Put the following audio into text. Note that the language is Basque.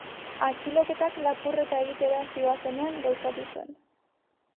Atxiloketak lapurreta egitera zihoazenean gauzatu zen.